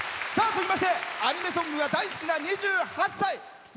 続きましてアニメソングが大好きな２８歳。